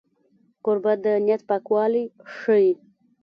کوربه د نیت پاکوالی ښيي.